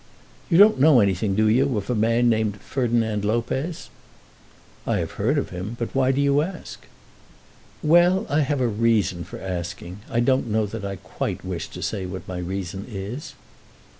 "You don't know anything, do you, of a man named Ferdinand Lopez?" "I have heard of him. But why do you ask?" "Well; I have a reason for asking. I don't know that I quite wish to say what my reason is."